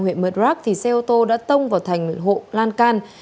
huyện murdrock thì xe ô tô đã tông vào thành hộ lan can